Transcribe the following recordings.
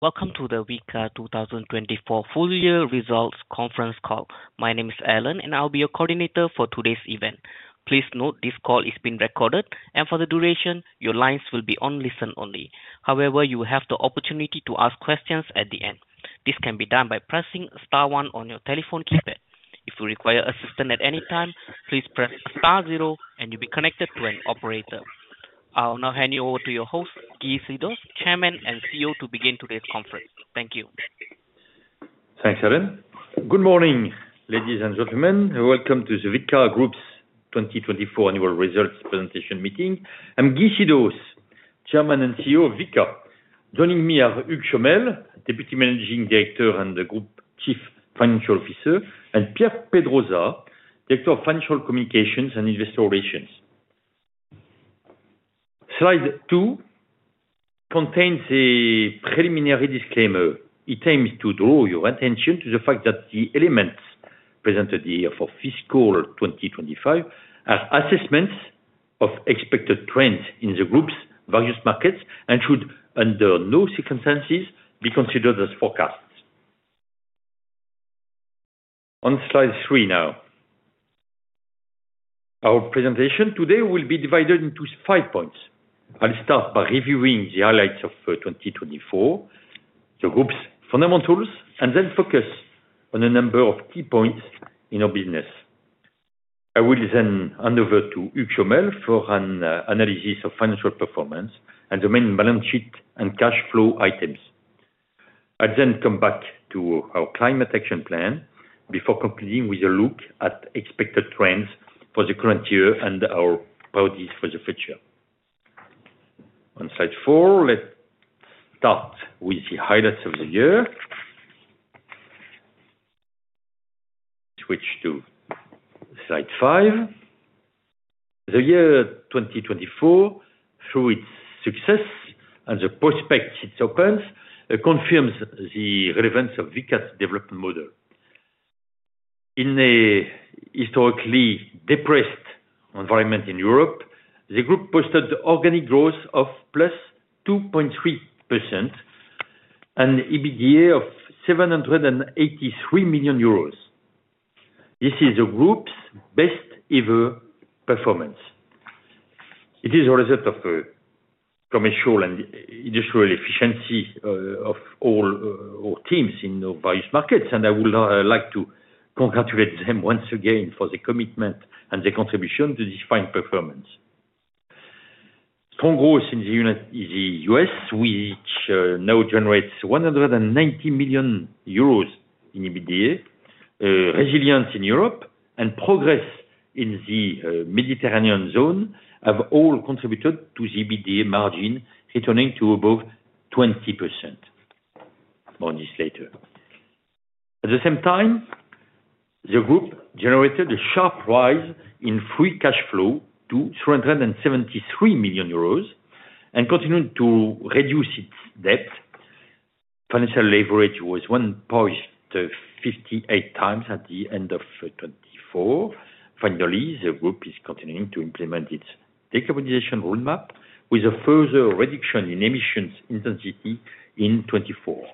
Welcome to the Vicat 2024 full year results conference call. My name is Alan, and I'll be your coordinator for today's event. Please note this call is being recorded, and for the duration, your lines will be on listen only. However, you will have the opportunity to ask questions at the end. This can be done by pressing star one on your telephone keypad. If you require assistance at any time, please press star zero, and you'll be connected to an operator. I'll now hand you over to your host, Guy Sidos, Chairman and CEO, to begin today's conference. Thank you. Thanks, Alan. Good morning, ladies and gentlemen. Welcome to the Vicat Group's 2024 annual results presentation meeting. I'm Guy Sidos, Chairman and CEO of Vicat. Joining me are Hugues Chomel, Deputy Managing Director and the Group Chief Financial Officer, and Pierre Pedrosa, Director of Financial Communications and Investor Relations. Slide two contains a preliminary disclaimer. It aims to draw your attention to the fact that the elements presented here for fiscal 2025 are assessments of expected trends in the group's various markets and should, under no circumstances, be considered as forecasts. On slide three now, our presentation today will be divided into five points. I'll start by reviewing the highlights of 2024, the group's fundamentals, and then focus on a number of key points in our business. I will then hand over to Hugues Chomel for an analysis of financial performance and the main balance sheet and cash flow items. I'll then come back to our climate action plan before concluding with a look at expected trends for the current year and our priorities for the future. On slide four, let's start with the highlights of the year. Switch to slide five. The year 2024, through its success and the prospects it opens, confirms the relevance of Vicat's development model. In a historically depressed environment in Europe, the group posted organic growth of plus 2.3% and EBITDA of 783 million euros. This is the group's best-ever performance. It is a result of commercial and industrial efficiency of all our teams in various markets, and I would like to congratulate them once again for the commitment and the contribution to this fine performance. Strong growth in the US, which now generates 190 million euros in EBITDA, resilience in Europe, and progress in the Mediterranean zone have all contributed to the EBITDA margin returning to above 20%. More on this later. At the same time, the group generated a sharp rise in free cash flow to 373 million euros and continued to reduce its debt. Financial leverage was 1.58 times at the end of 2024. Finally, the group is continuing to implement its decarbonization roadmap with a further reduction in emissions intensity in 2024.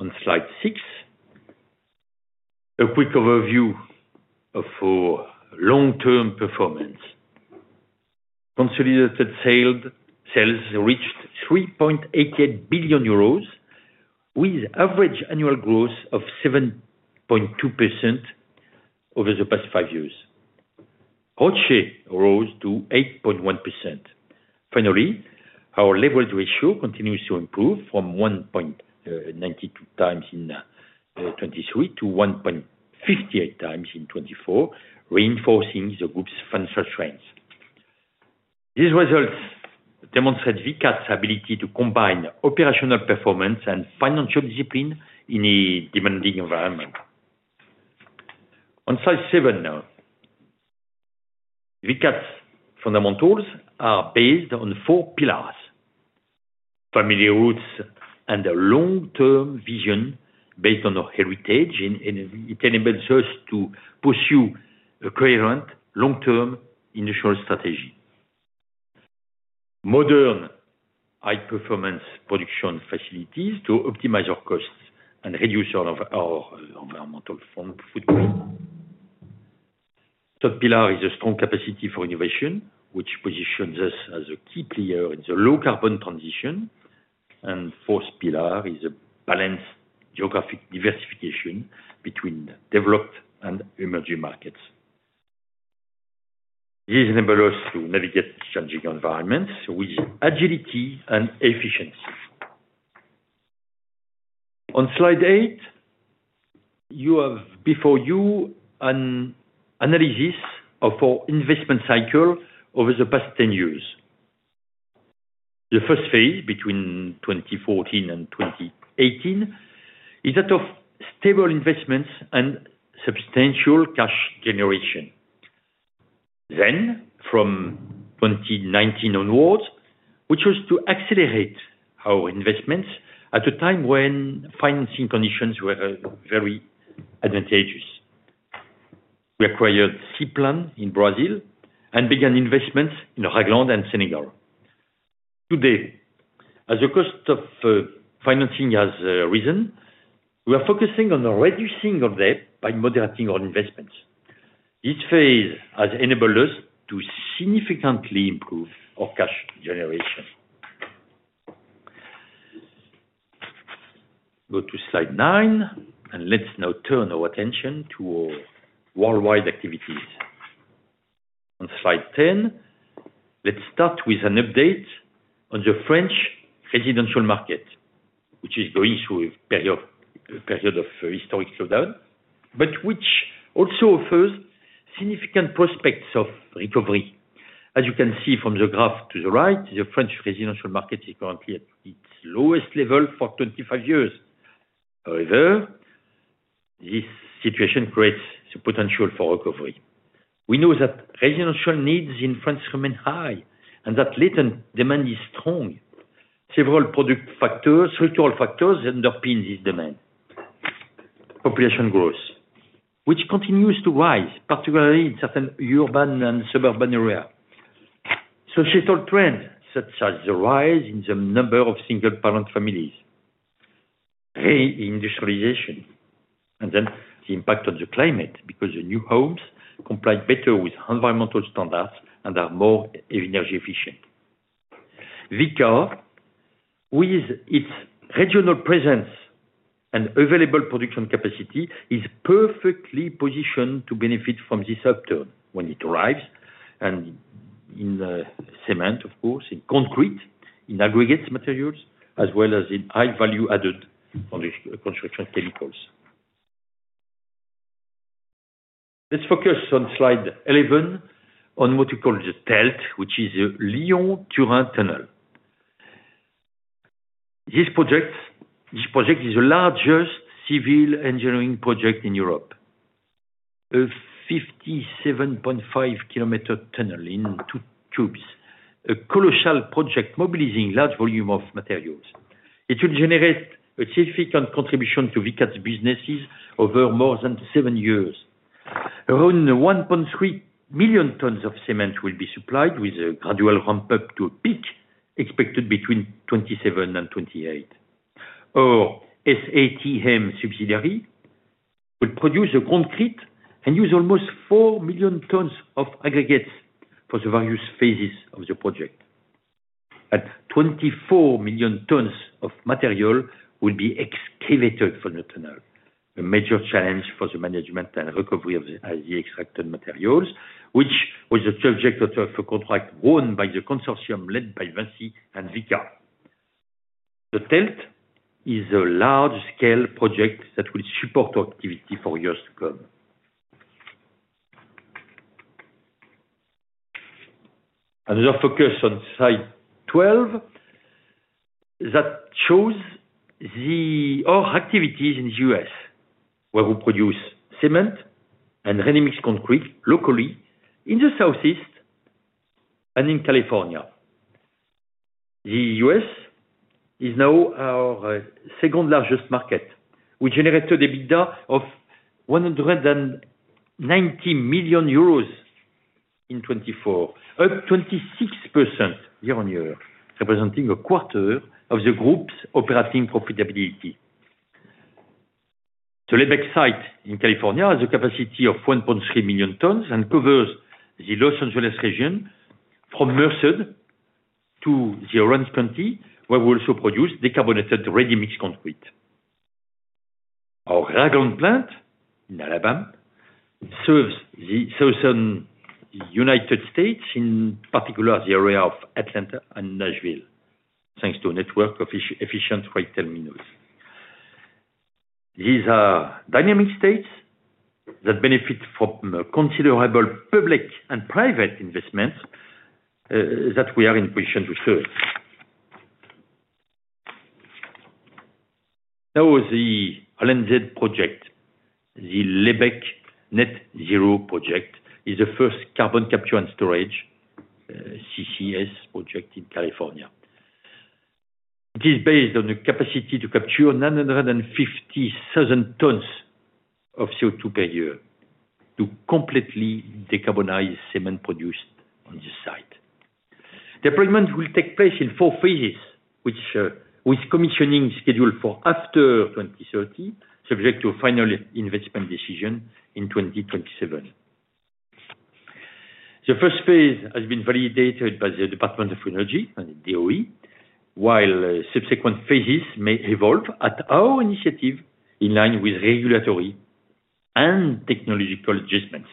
On slide six, a quick overview of our long-term performance. Consolidated sales reached 3.88 billion euros, with average annual growth of 7.2% over the past five years. ROCE rose to 8.1%. Finally, our leverage ratio continues to improve from 1.92 times in 2023 to 1.58 times in 2024, reinforcing the group's financial strength. These results demonstrate Vicat's ability to combine operational performance and financial discipline in a demanding environment. On slide seven now, Vicat's fundamentals are based on four pillars: family roots and a long-term vision based on our heritage. It enables us to pursue a coherent long-term industrial strategy, modern high-performance production facilities to optimize our costs and reduce our environmental footprint. Third pillar is a strong capacity for innovation, which positions us as a key player in the low-carbon transition, and fourth pillar is a balanced geographic diversification between developed and emerging markets. This enables us to navigate changing environments with agility and efficiency. On slide eight, you have before you an analysis of our investment cycle over the past 10 years. The phase I between 2014 and 2018 is that of stable investments and substantial cash generation. Then, from 2019 onwards, we chose to accelerate our investments at a time when financing conditions were very advantageous. We acquired Ciplan in Brazil and began investments in Ragland and Senegal. Today, as the cost of financing has risen, we are focusing on reducing our debt by moderating our investments. This phase has enabled us to significantly improve our cash generation. Go to slide nine, and let's now turn our attention to our worldwide activities. On slide ten, let's start with an update on the French residential market, which is going through a period of historic slowdown, but which also offers significant prospects of recovery. As you can see from the graph to the right, the French residential market is currently at its lowest level for 25 years. However, this situation creates the potential for recovery. We know that residential needs in France remain high and that latent demand is strong. Several structural factors underpin this demand: population growth, which continues to rise, particularly in certain urban and suburban areas, societal trends such as the rise in the number of single-parent families, reindustrialization, and then the impact on the climate because the new homes comply better with environmental standards and are more energy efficient. Vicat, with its regional presence and available production capacity, is perfectly positioned to benefit from this upturn when it arrives in cement, of course, in concrete, in aggregate materials, as well as in high-value-added construction chemicals. Let's focus on slide 11 on what we call the TELT, which is the Lyon-Turin Tunnel. This project is the largest civil engineering project in Europe, a 57.5km tunnel in two tubes, a colossal project mobilizing a large volume of materials. It will generate a significant contribution to Vicat's businesses over more than seven years. Around 1.3 million tons of cement will be supplied with a gradual ramp-up to a peak expected between 2027 and 2028. Our SATM subsidiary will produce the concrete and use almost 4 million tons of aggregates for the various phases of the project. 24 million tons of material will be excavated from the tunnel, a major challenge for the management and recovery of the extracted materials, which was the subject of a contract won by the consortium led by Vinci and Vicat. The TELT is a large-scale project that will support our activity for years to come. Another focus on slide 12 that shows our activities in the US, where we produce cement and ready-mix concrete locally in the Southeast and in California. The US is now our second-largest market. We generated a bid of 190 million euros in 2024, up 26% year-on-year, representing a quarter of the group's operating profitability. The Lebec site in California has a capacity of 1.3 million tons and covers the Los Angeles region from Merced to the Orange County, where we also produce decarbonated ready-mix concrete. Our Ragland plant in Alabama serves the southern United States, in particular the area of Atlanta and Nashville, thanks to a network of efficient rail terminals. These are dynamic states that benefit from considerable public and private investments that we are in position to serve. Now, the LNZ project, the Lebec Net Zero project, is the first carbon capture and storage CCS project in California. It is based on the capacity to capture 950,000 tons of CO2 per year to completely decarbonize cement produced on this site. The deployment will take place in phase IV, with commissioning scheduled for after 2030, subject to a final investment decision in 2027. The phase I has been validated by the Department of Energy and the DOE, while subsequent phases may evolve at our initiative in line with regulatory and technological adjustments.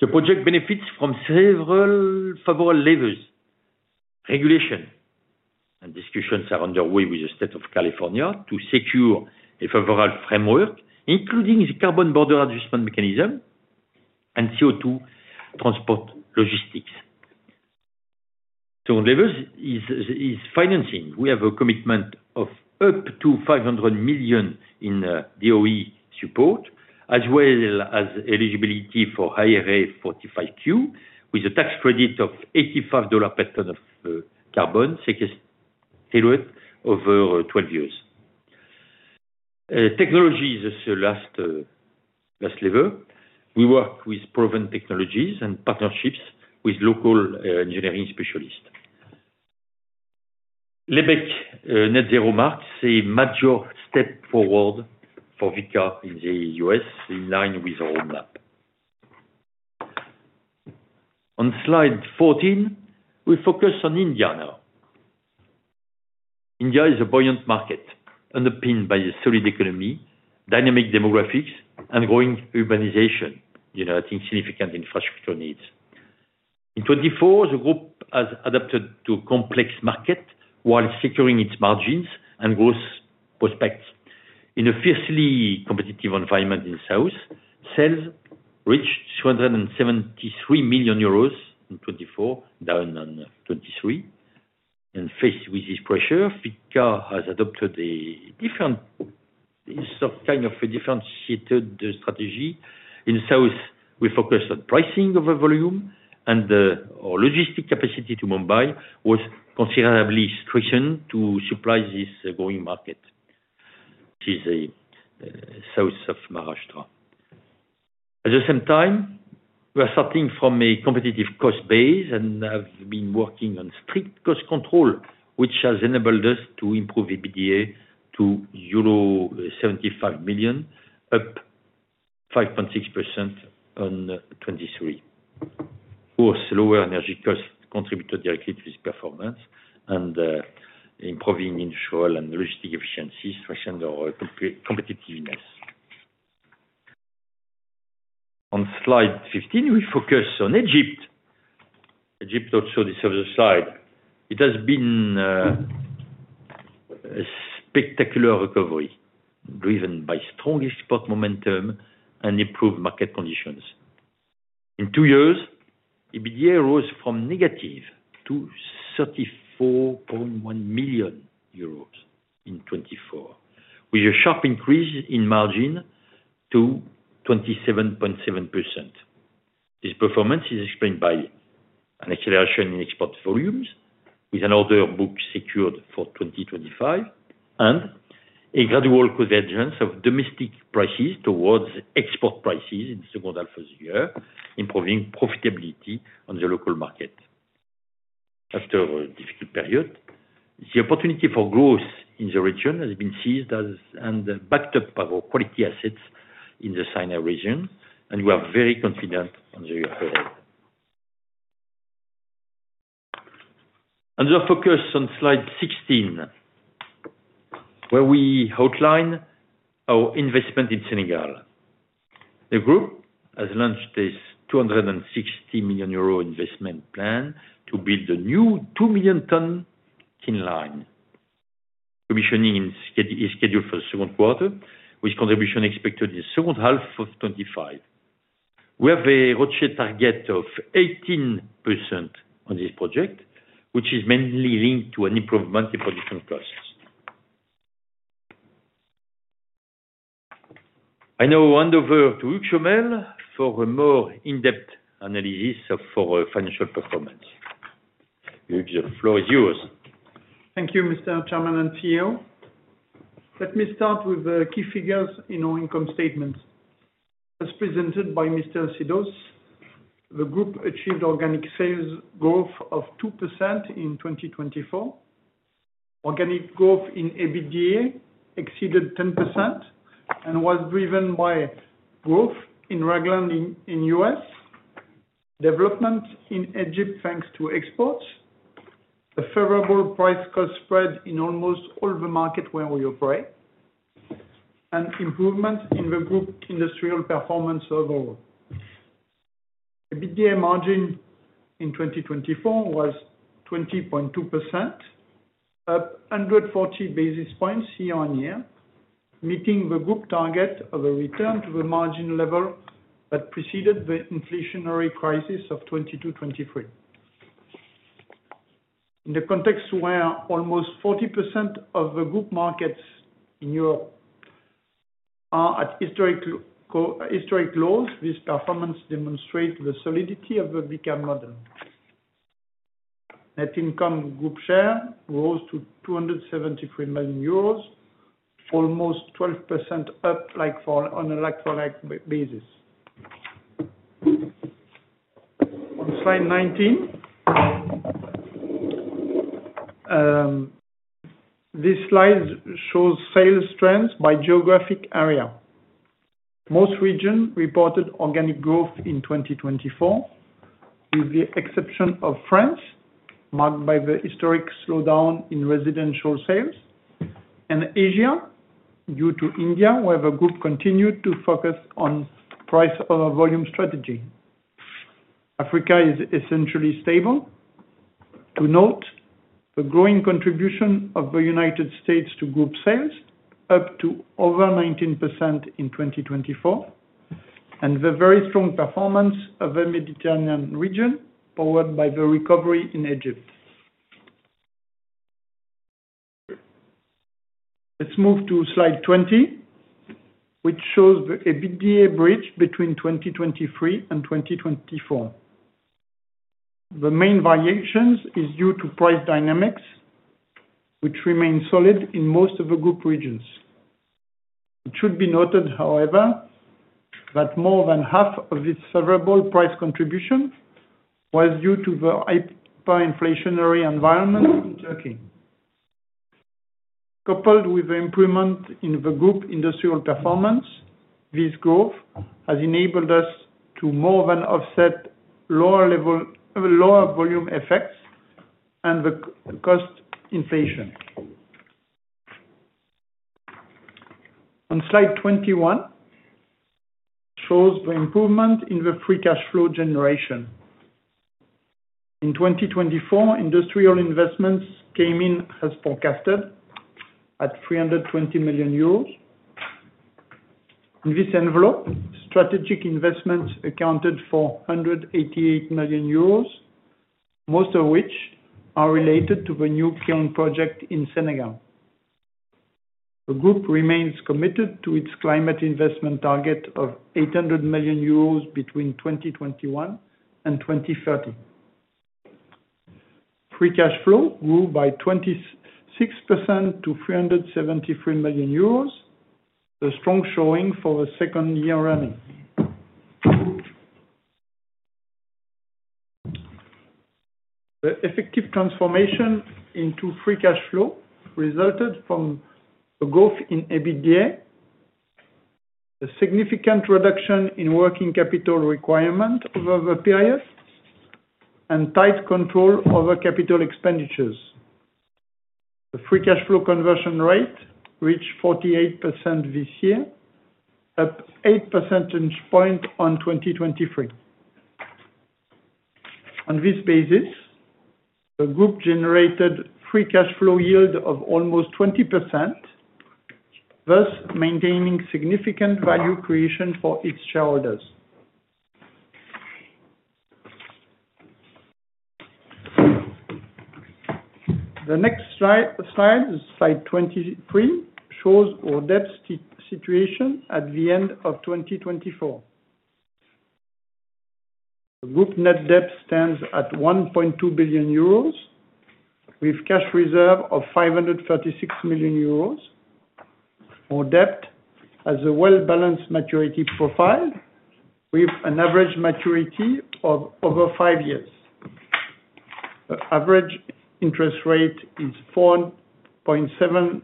The project benefits from several favorable levers. Regulation and discussions are underway with the state of California to secure a favorable framework, including the Carbon Border Adjustment Mechanism and CO2 transport logistics. Second level is financing. We have a commitment of up to 500 million in DOE support, as well as eligibility for IRA 45Q, with a tax credit of $85 per ton of carbon sequestered over 12 years. Technology is the last lever. We work with proven technologies and partnerships with local engineering specialists. Lebec Net Zero marks a major step forward for Vicat in the US in line with our roadmap. On slide 14, we focus on India now. India is a buoyant market underpinned by a solid economy, dynamic demographics, and growing urbanization, generating significant infrastructure needs. In 2024, the group has adapted to a complex market while securing its margins and growth prospects. In a fiercely competitive environment in the south, sales reached 273 million euros in 2024, down on 2023. Faced with this pressure, Vicat has adopted a kind of a differentiated strategy. In the south, we focused on pricing of the volume, and our logistic capacity to Mumbai was considerably strengthened to supply this growing market. This is the south of Maharashtra. At the same time, we are starting from a competitive cost base and have been working on strict cost control, which has enabled us to improve EBITDA to euro 75 million, up 5.6% on 2023. Of course, lower energy costs contributed directly to this performance and improving industrial and logistic efficiencies to strengthen our competitiveness. On slide 15, we focus on Egypt. Egypt also deserves a slide. It has been a spectacular recovery driven by strong export momentum and improved market conditions. In two years, EBITDA rose from negative to 34.1 million euros in 2024, with a sharp increase in margin to 27.7%. This performance is explained by an acceleration in export volumes, with an order book secured for 2025, and a gradual convergence of domestic prices towards export prices in the second half of the year, improving profitability on the local market. After a difficult period, the opportunity for growth in the region has been seized and backed up by our quality assets in the Sinai region, and we are very confident on the upper end. Another focus on slide 16, where we outline our investment in Senegal. The group has launched a 260 million euro investment plan to build a new 2 million ton kiln line. Commissioning is scheduled for the Q2, with contribution expected in the second half of 2025. We have a ROCE target of 18% on this project, which is mainly linked to an improvement in production costs. I now hand over to Hugues Chomel for a more in-depth analysis of our financial performance. Hugues, the floor is yours. Thank you, Mr. Chairman and CEO. Let me start with key figures in our income statements. As presented by Mr. Sidos, the group achieved organic sales growth of 2% in 2024. Organic growth in EBITDA exceeded 10% and was driven by growth in Ragland in the US, development in Egypt thanks to exports, a favorable price-cost spread in almost all the markets where we operate, and improvement in the group industrial performance overall. EBITDA margin in 2024 was 20.2%, up 140 basis points year-on-year, meeting the group target of a return to the margin level that preceded the inflationary crisis of 2022 to 2023. In the context where almost 40% of the group markets in Europe are at historic lows, this performance demonstrates the solidity of the Vicat model. Net income group share rose to 273 million euros, almost 12% up on a like-for-like basis. On slide 19, this slide shows sales trends by geographic area. Most regions reported organic growth in 2024, with the exception of France, marked by the historic slowdown in residential sales, and Asia, due to India, where the group continued to focus on price-over-volume strategy. Africa is essentially stable. To note, the growing contribution of the United States to group sales up to over 19% in 2024, and the very strong performance of the Mediterranean region powered by the recovery in Egypt. Let's move to slide 20, which shows the EBITDA bridge between 2023 and 2024. The main variation is due to price dynamics, which remain solid in most of the group regions. It should be noted, however, that more than half of this favorable price contribution was due to the hyperinflationary environment in Turkey. Coupled with the improvement in the group industrial performance, this growth has enabled us to more than offset lower volume effects and the cost inflation. On slide 21, it shows the improvement in the free cash flow generation. In 2024, industrial investments came in as forecasted at 320 million euros. In this envelope, strategic investments accounted for 188 million euros, most of which are related to the new kiln project in Senegal. The group remains committed to its climate investment target of 800 million euros between 2021 and 2030. Free cash flow grew by 26% to 373 million euros, a strong showing for the second year running. The effective transformation into free cash flow resulted from the growth in EBITDA, a significant reduction in working capital requirement over the period, and tight control over capital expenditures. The free cash flow conversion rate reached 48% this year, up eight percentage points on 2023. On this basis, the group generated free cash flow yield of almost 20%, thus maintaining significant value creation for its shareholders. The next slide, slide 23, shows our debt situation at the end of 2024. The group net debt stands at 1.2 billion euros, with a cash reserve of 536 million euros. Our debt has a well-balanced maturity profile, with an average maturity of over five years. The average interest rate is 4.74%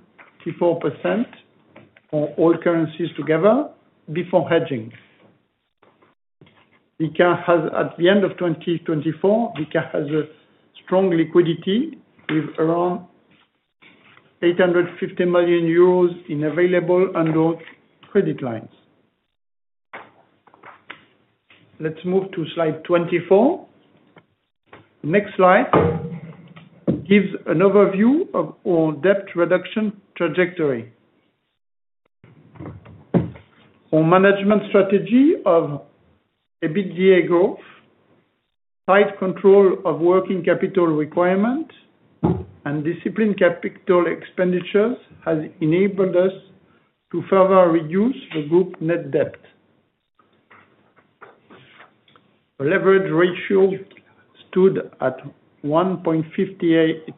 for all currencies together before hedging. At the end of 2024, Vicat has strong liquidity, with around 850 million euros in available under credit lines. Let's move to slide 24. The next slide gives an overview of our debt reduction trajectory. Our management strategy of EBITDA growth, tight control of working capital requirements, and disciplined capital expenditures has enabled us to further reduce the group net debt. The leverage ratio stood at 1.58x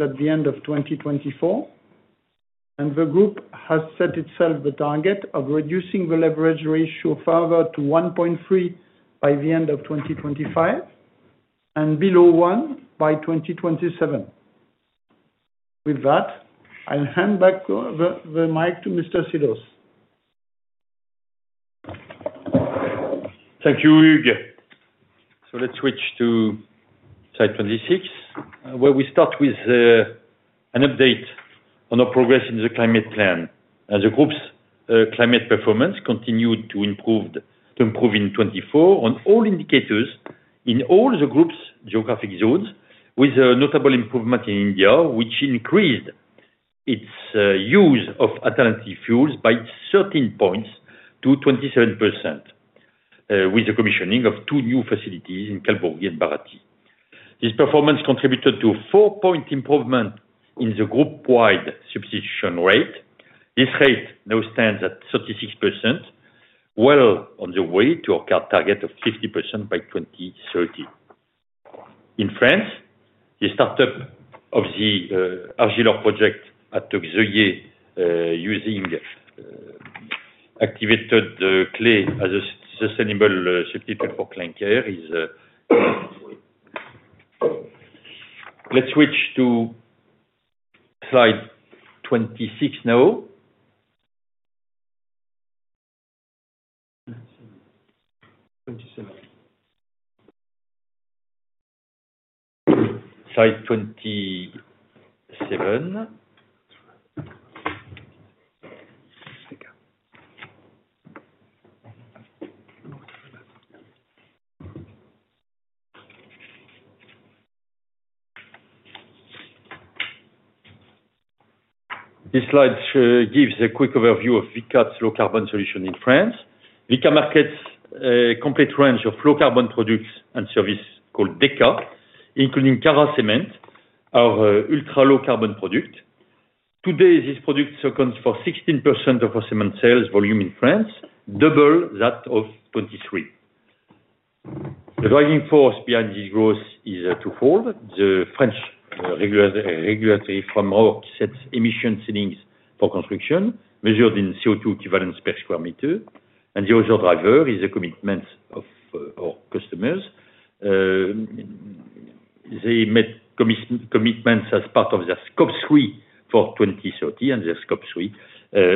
at the end of 2024, and the group has set itself the target of reducing the leverage ratio further to 1.3 by the end of 2025 and below one by 2027. With that, I'll hand back the mic to Mr. Sidos. Thank you, Hugues. So let's switch to slide 26, where we start with an update on our progress in the climate plan. The group's climate performance continued to improve in 2024 on all indicators in all the group's geographic zones, with a notable improvement in India, which increased its use of alternative fuels by 13 points to 27%, with the commissioning of two new facilities in Kalaburagi and Bharathi. This performance contributed to a four point improvement in the group-wide substitution rate. This rate now stands at 36%, well on the way to our target of 50% by 2030. In France, the startup of the Argiloc project at Xeuilley using activated clay as a sustainable substitute for clinker. Let's switch to slide 26 now. Slide 27. This slide gives a quick overview of Vicat's low-carbon solution in France. Vicat markets a complete range of low-carbon products and services called DECA, including Carat, our ultra-low-carbon product. Today, this product accounts for 16% of our cement sales volume in France, double that of 2023. The driving force behind this growth is twofold. The French regulatory framework sets emission ceilings for construction, measured in CO2 equivalents per square meter, and the other driver is the commitments of our customers. They met commitments as part of their Scope 3 for 2030, and their Scope 3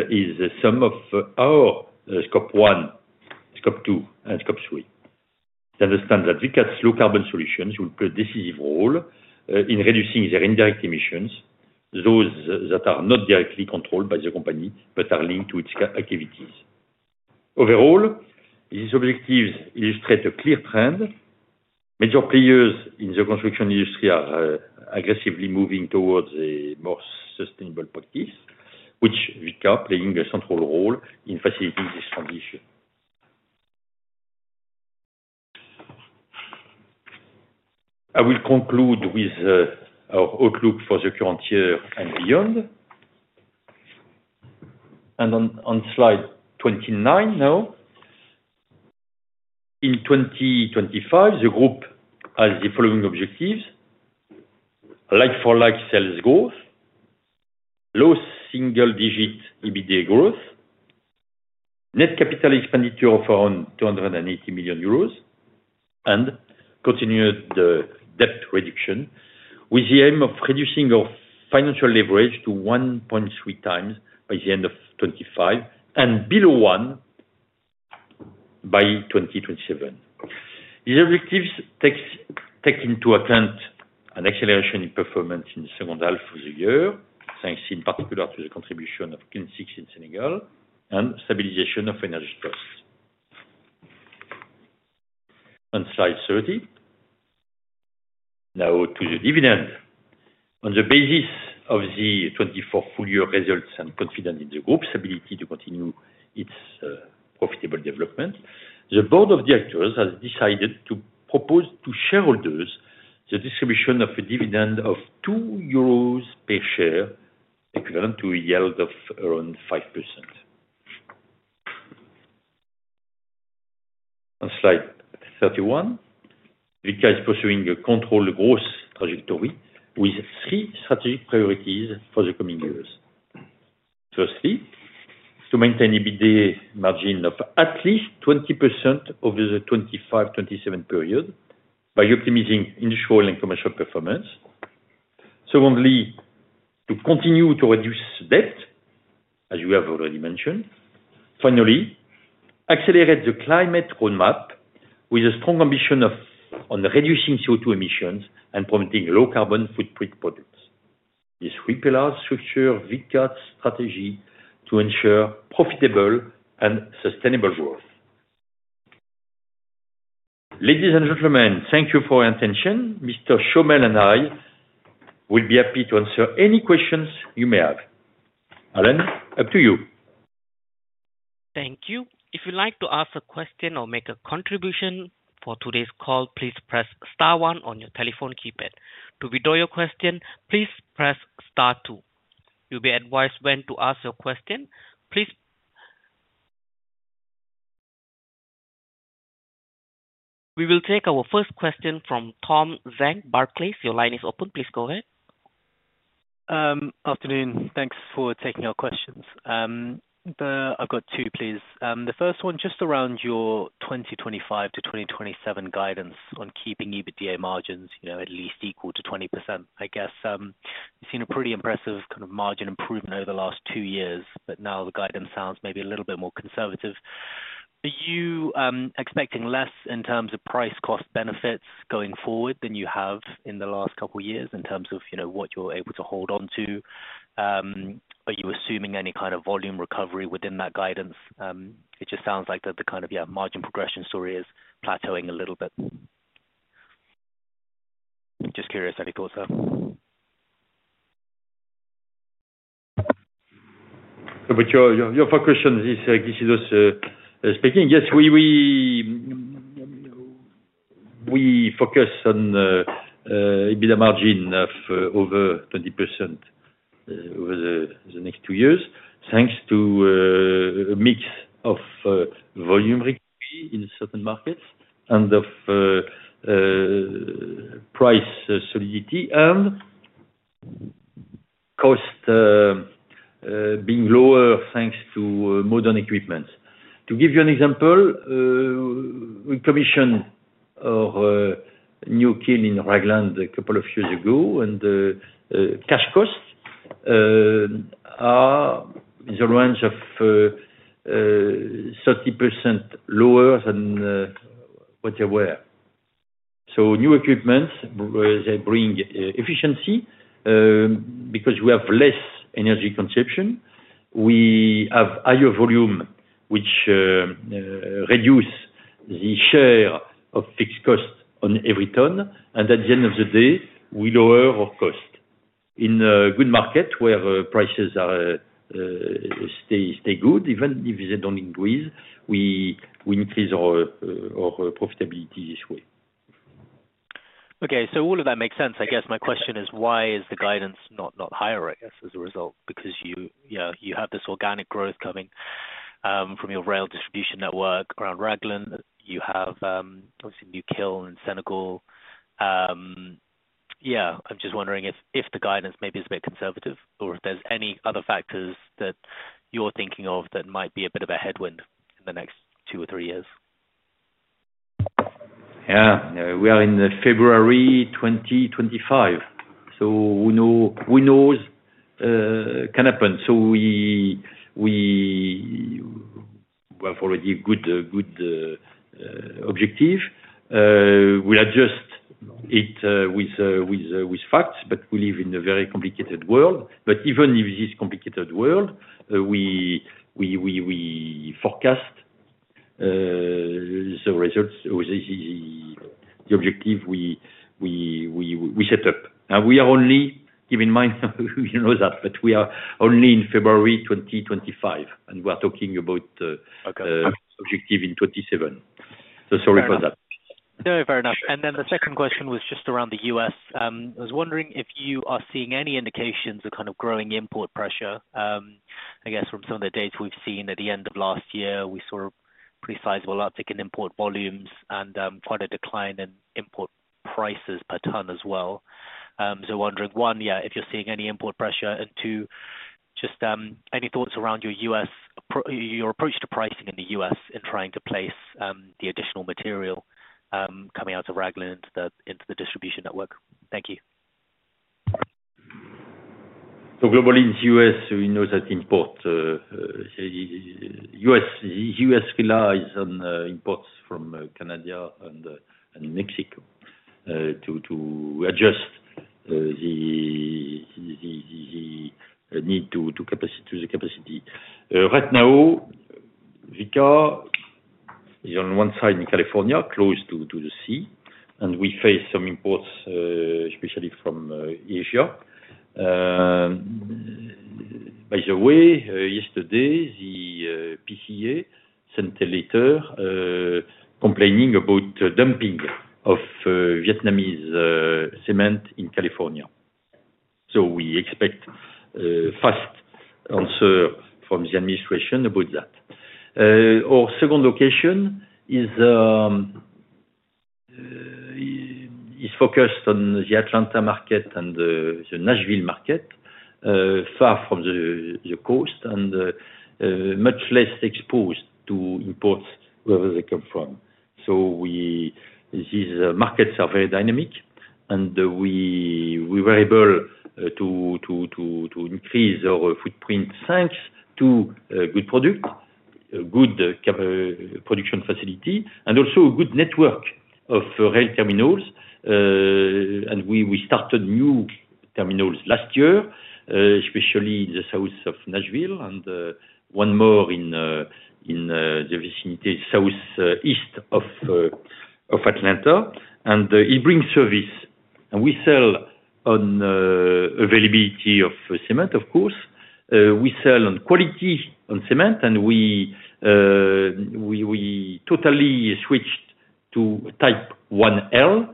is the sum of our Scope 1, Scope 2, and Scope 3. They understand that Vicat's low-carbon solutions will play a decisive role in reducing their indirect emissions, those that are not directly controlled by the company but are linked to its activities. Overall, these objectives illustrate a clear trend. Major players in the construction industry are aggressively moving towards a more sustainable practice, with Vicat playing a central role in facilities expenditure. I will conclude with our outlook for the current year and beyond. On slide 29 now, in 2025, the group has the following objectives: like-for-like sales growth, low single-digit EBITDA growth, net capital expenditure of around 280 million euros, and continued debt reduction, with the aim of reducing our financial leverage to 1.3x by the end of 2025 and below one by 2027. These objectives take into account an acceleration in performance in the second half of the year, thanks in particular to the contribution of Kiln 6 in Senegal and stabilization of energy costs. On slide 30, now to the dividend. On the basis of the 2024 full-year results and confidence in the group's ability to continue its profitable development, the board of directors has decided to propose to shareholders the distribution of a dividend of 2 euros per share, equivalent to a yield of around 5%. On slide 31, Vicat is pursuing a controlled growth trajectory with three strategic priorities for the coming years. Firstly, to maintain EBITDA margin of at least 20% over the 2025 to 2027 period by optimizing industrial and commercial performance. Secondly, to continue to reduce debt, as you have already mentioned. Finally, accelerate the climate roadmap with a strong ambition on reducing CO2 emissions and promoting low-carbon footprint products. This reveals the structure of Vicat's strategy to ensure profitable and sustainable growth. Ladies and gentlemen, thank you for your attention. Mr. Chomel and I will be happy to answer any questions you may have. Alan, up to you. Thank you. If you'd like to ask a question or make a contribution for today's call, please press star 1 on your telephone keypad. To withdraw your question, please press star two. You'll be advised when to ask your question. Please. We will take our first question from Tom Zhang, Barclays. Your line is open. Please go ahead. Afternoon. Thanks for taking our questions. I've got two, please. The first one just around your 2025 to 2027 guidance on keeping EBITDA margins at least equal to 20%. I guess you've seen a pretty impressive kind of margin improvement over the last two years, but now the guidance sounds maybe a little bit more conservative. Are you expecting less in terms of price-cost benefits going forward than you have in the last couple of years in terms of what you're able to hold on to? Are you assuming any kind of volume recovery within that guidance? It just sounds like the kind of margin progression story is plateauing a little bit. Just curious if you thought so. But your focus on this is Guy Sidos speaking. Yes, we focus on EBITDA margin of over 20% over the next two years, thanks to a mix of volume recovery in certain markets and of price solidity and cost being lower thanks to modern equipment. To give you an example, we commissioned our new kiln in Ragland a couple of years ago, and cash costs are in the range of 30% lower than what they were. So, new equipment, they bring efficiency because we have less energy consumption. We have higher volume, which reduces the share of fixed cost on every ton, and at the end of the day, we lower our cost. In a good market where prices stay good, even if they don't increase, we increase our profitability this way. Okay, so all of that makes sense. I guess my question is, why is the guidance not higher, I guess, as a result? Because you have this organic growth coming from your rail distribution network around Ragland. You have, obviously, new kiln in Senegal. Yeah. I'm just wondering if the guidance maybe is a bit conservative or if there's any other factors that you're thinking of that might be a bit of a headwind in the next two or three years? Yeah. We are in February 2025, so who knows can happen. So we have already a good objective. We'll adjust it with facts, but we live in a very complicated world. But even in this complicated world, we forecast the results or the objective we set up. And we are only keep in mind who knows that, but we are only in February 2025, and we're talking about objective in 2027. So sorry for that. No, fair enough. And then the second question was just around the US. I was wondering if you are seeing any indications of kind of growing import pressure, I guess, from some of the data we've seen at the end of last year. We saw pretty sizable uptick in import volumes and quite a decline in import prices per ton as well. So wondering, one, yeah, if you're seeing any import pressure, and two, just any thoughts around your approach to pricing in the US in trying to place the additional material coming out of Ragland into the distribution network. Thank you. So globally, in the US, we know that the US relies on imports from Canada and Mexico to adjust the need to the capacity. Right now, Vicat is on one side in California, close to the sea, and we face some imports, especially from Asia. By the way, yesterday, the PCA sent a letter complaining about dumping of Vietnamese cement in California. So we expect fast answer from the administration about that. Our second location is focused on the Atlanta market and the Nashville market, far from the coast and much less exposed to imports wherever they come from. So these markets are very dynamic, and we were able to increase our footprint thanks to good product, good production facility, and also good network of rail terminals. And we started new terminals last year, especially in the south of Nashville, and one more in the vicinity southeast of Atlanta. And it brings service. And we sell on availability of cement, of course. We sell on quality on cement, and we totally switched to Type IL.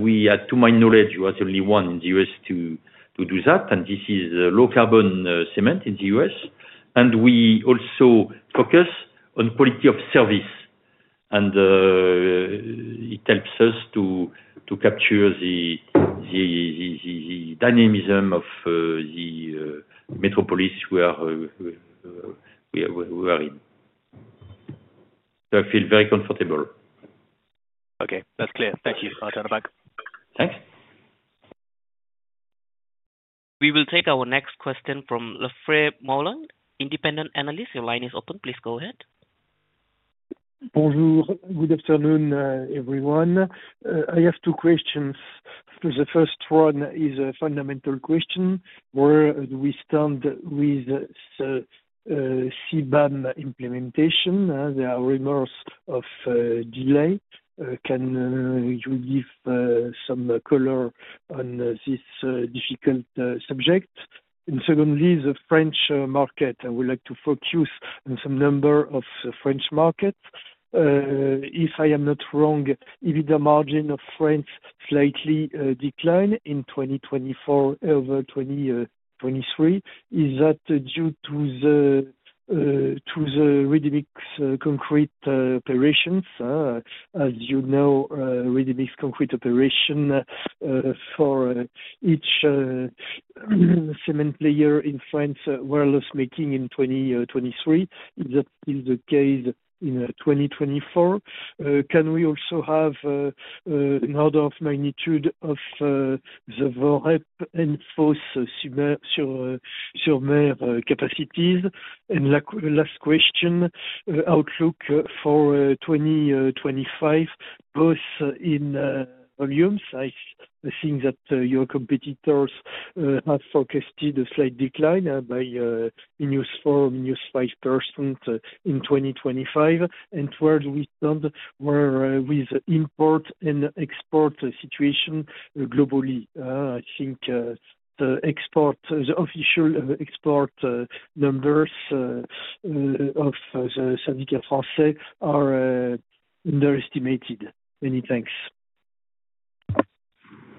We had, to my knowledge, it was only one in the US to do that, and this is low-carbon cement in the US. We also focus on quality of service, and it helps us to capture the dynamism of the metropolis we are in. So I feel very comfortable. Okay. That's clear. Thank you. I'll turn it back. Thanks. We will take our next question from Lefèvre-Moulenq, independent analyst. Your line is open. Please go ahead. Bonjour. Good afternoon, everyone. I have two questions. The first one is a fundamental question. Where do we stand with CBAM implementation? There are rumors of delay. Can you give some color on this difficult subject? And secondly, the French market. I would like to focus on some number of French markets. If I am not wrong, EBITDA margin of France slightly declined in 2024 over 2023. Is that due to the ready-mix concrete operations? As you know, ready-mix concrete operation for the cement layer in France were less making in 2023. Is that still the case in 2024? Can we also have an order of magnitude of the Voreppe and Fos-sur-Mer capacities? And last question, outlook for 2025, both in volumes. I think that your competitors have forecasted a slight decline by -4% to -5% in 2025. And where do we stand with import and export situation globally? I think the official export numbers of the Syndicat Français are underestimated. Many thanks.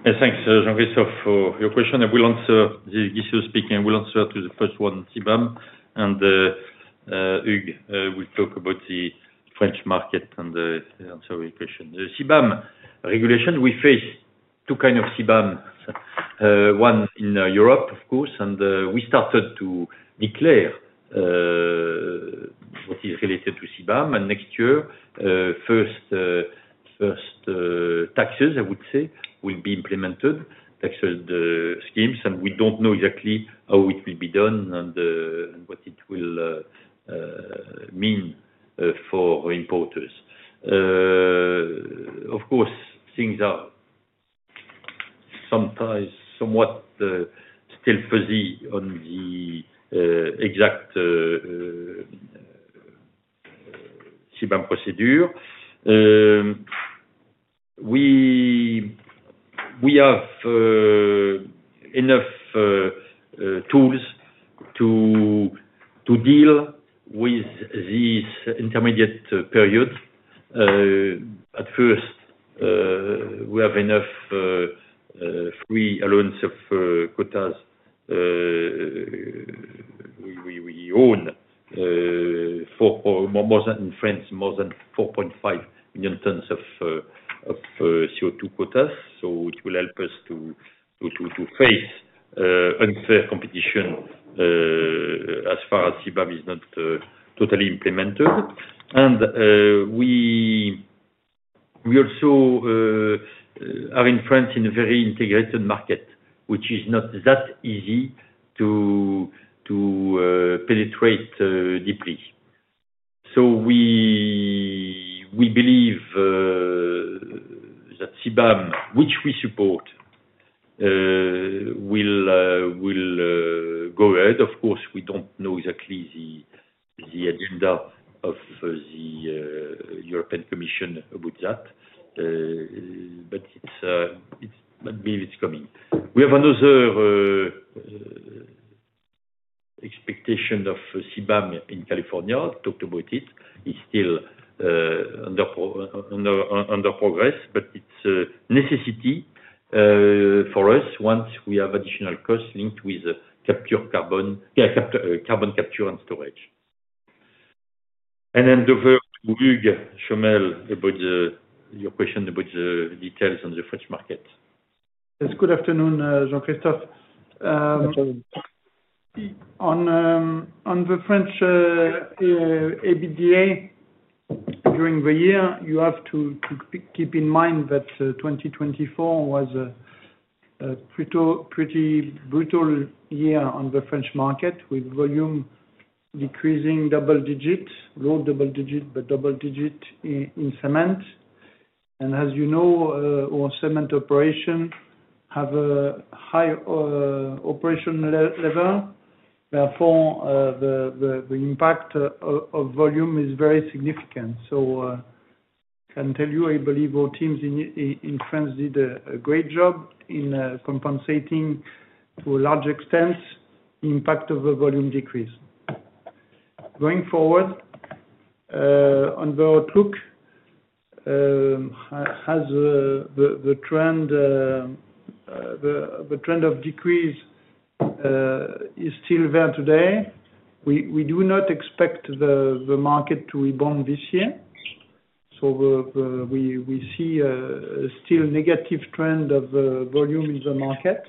Thanks, Jean-Christophe, for your question. Guy Sidos speaking. I will answer to the first one, CBAM. And Hugues will talk about the French market and answer your question. CBAM regulation, we face two kinds of CBAM. One in Europe, of course, and we started to declare what is related to CBAM. Next year, first taxes, I would say, will be implemented, tax schemes, and we don't know exactly how it will be done and what it will mean for importers. Of course, things are sometimes somewhat still fuzzy on the exact CBAM procedure. We have enough tools to deal with these intermediate periods. At first, we have enough free allowance of quotas. We own more than in France, more than 4.5 million tons of CO2 quotas. So it will help us to face unfair competition as far as CBAM is not totally implemented. And we also are in France in a very integrated market, which is not that easy to penetrate deeply. So we believe that CBAM, which we support, will go ahead. Of course, we don't know exactly the agenda of the European Commission about that, but maybe it's coming. We have another expectation of CBAM in California. I talked about it. It's still under progress, but it's a necessity for us once we have additional costs linked with carbon capture and storage. And hand over to Hugues Chomel about your question about the details on the French market. Yes. Good afternoon, Jean-Christophe. On the French EBITDA during the year, you have to keep in mind that 2024 was a pretty brutal year on the French market with volume decreasing double digit, low double digit, but double digit in cement. And as you know, all cement operations have a high operation level. Therefore, the impact of volume is very significant. So I can tell you, I believe our teams in France did a great job in compensating to a large extent the impact of the volume decrease. Going forward, on the outlook, has the trend of decrease still there today? We do not expect the market to rebound this year. So we see still a negative trend of volume in the market.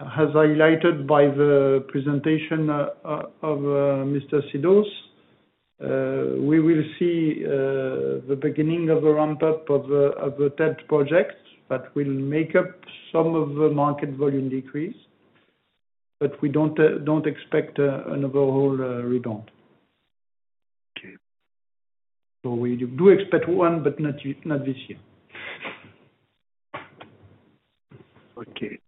As highlighted by the presentation of Mr. Sidos, we will see the beginning of a ramp-up of the TELT projects that will make up some of the market volume decrease, but we don't expect an overall rebound. So we do expect one, but not this year. Okay.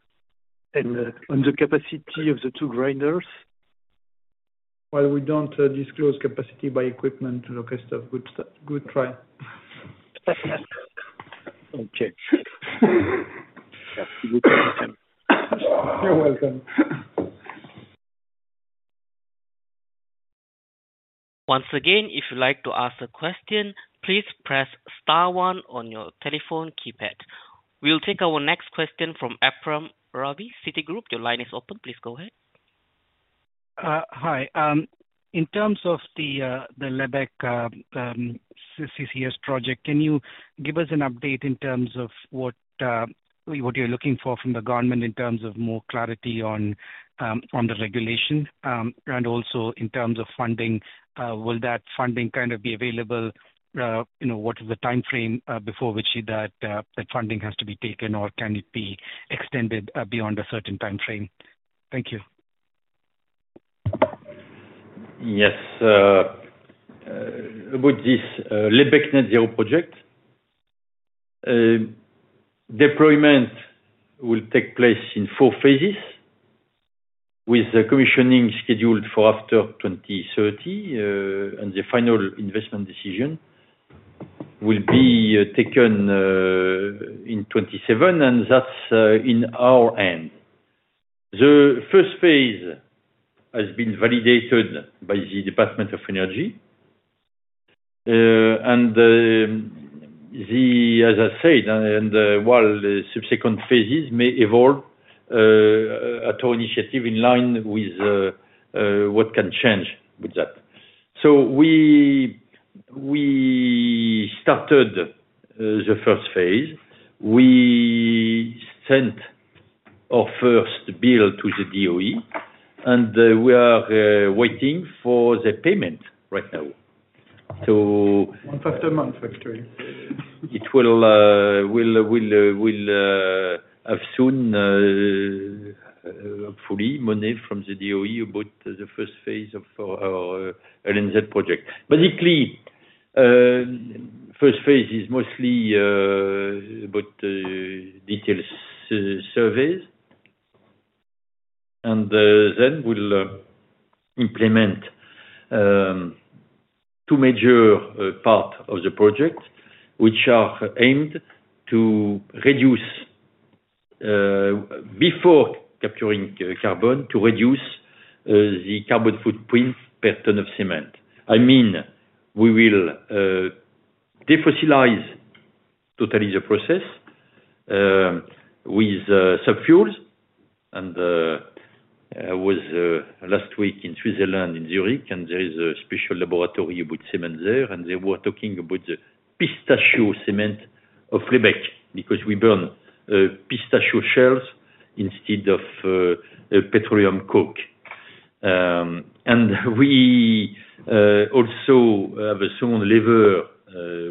And on the capacity of the two grinders? Well, we don't disclose capacity by equipment. Lefèvre is a good try. Okay. You're welcome. Once again, if you'd like to ask a question, please press star one on your telephone keypad. We'll take our next question from Ephraim Ravi, Citigroup. Your line is open. Please go ahead. Hi. In terms of the Lebec CCS project, can you give us an update in terms of what you're looking for from the government in terms of more clarity on the regulation and also in terms of funding? Will that funding kind of be available? What is the timeframe before which that funding has to be taken, or can it be extended beyond a certain timeframe? Thank you. Yes. About this Lebec Net Zero project, deployment will take place in phase IV with commissioning scheduled for after 2030, and the final investment decision will be taken in 2027, and that's in our hand. The phase I has been validated by the Department of Energy, and as I said, while subsequent phases may evolve at our initiative in line with what can change with that, so we started the phase I. We sent our first bill to the DOE, and we are waiting for the payment right now, so month after month, actually. It will have soon, hopefully, money from the DOE about the phase I of our LNZ project. Basically, phase I is mostly about detailed surveys, and then we'll implement two major parts of the project, which are aimed to reduce before capturing carbon to reduce the carbon footprint per ton of cement. I mean, we will defossilize totally the process with subfuels, and I was last week in Switzerland, in Zurich, and there is a special laboratory about cements there, and they were talking about the pistachio cement of Lebec because we burn pistachio shells instead of petroleum coke, and we also have a sound lever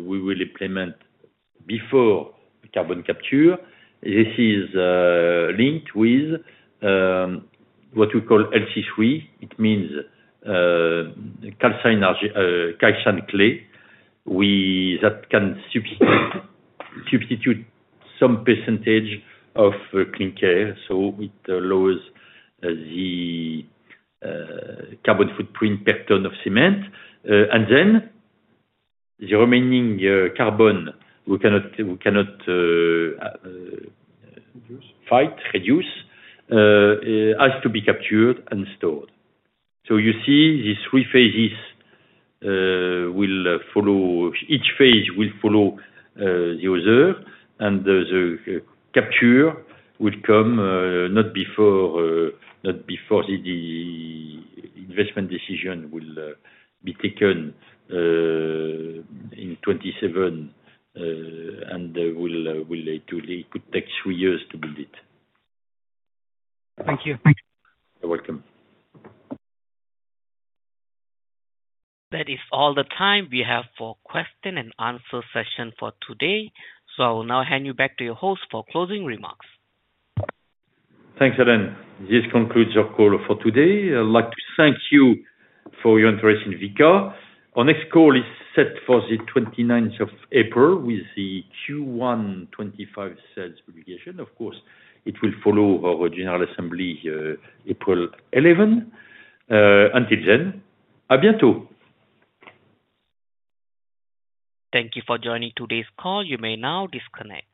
we will implement before carbon capture. This is linked with what we call LC3. It means calcium clay. That can substitute some percentage of clinker so it lowers the carbon footprint per ton of cement. And then the remaining carbon we cannot fight, reduce, has to be captured and stored. So you see, these phase III will follow. Each phase will follow the other, and the capture will come not before the investment decision will be taken in 2027, and it could take three years to build it. Thank you. You're welcome. That is all the time we have for question and answer session for today. So I will now hand you back to your host for closing remarks. Thanks, Alan. This concludes our call for today. I'd like to thank you for your interest in Vicat. Our next call is set for the 29 April with the Q1 2025 sales publication. Of course, it will follow our General Assembly 11 April. Until then, à bientôt. Thank you for joining today's call. You may now disconnect.